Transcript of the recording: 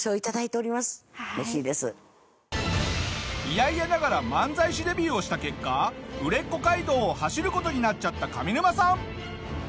嫌々ながら漫才師デビューをした結果売れっ子街道を走る事になっちゃった上沼さん。